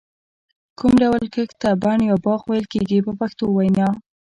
کوم ډول کښت ته بڼ یا باغ ویل کېږي په پښتو وینا.